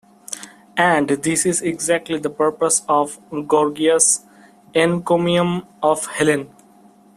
And this is exactly the purpose of Gorgias' "Encomium of Helen".